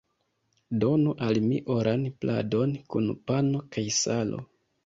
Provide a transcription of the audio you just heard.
Donu al mi oran pladon kun pano kaj salo!